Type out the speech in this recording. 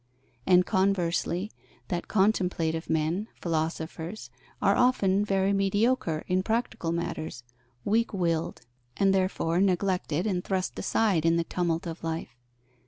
And conversely, that contemplative men, philosophers, are often very mediocre in practical matters, weak willed, and therefore neglected and thrust aside in the tumult of life.